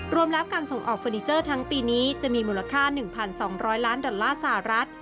รวมแล้วการส่งออกเฟอร์นิเจอร์ทั้งปีนี้จะมีมูลค่า๑๒๐๐ล้านดอลลาร์สหรัฐ